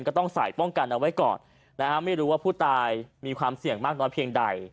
ก็ต้องใส่ป้องกันเอาไว้ก่อนนะฮะไม่รู้ว่าผู้ตายมีความเสี่ยงมากน้อยเพียงใด